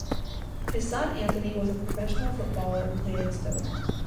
His son, Anthony, was a professional footballer and played at Stoke.